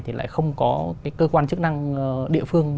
thì lại không có cái cơ quan chức năng địa phương